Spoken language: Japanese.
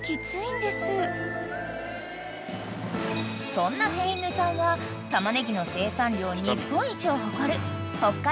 ［そんな変犬ちゃんはタマネギの生産量日本一を誇る］